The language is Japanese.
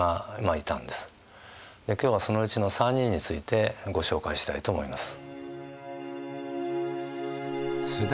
今日はそのうちの３人についてご紹介したいと思います。